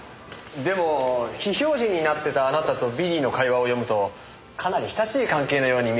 でも非表示になってたあなたとビリーの会話を読むとかなり親しい関係のように見えたんですが。